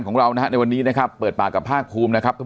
ของเรานะฮะในวันนี้นะครับเปิดปากกับภาคภูมินะครับ